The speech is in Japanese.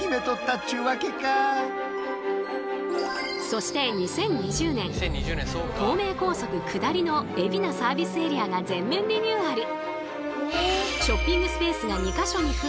そして２０２０年東名高速下りの海老名サービスエリアが全面リニューアル。